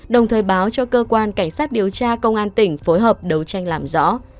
đồng thời báo cho cơ quan cảnh sát điều tra công an tỉnh phối hợp đấu tranh làm rõ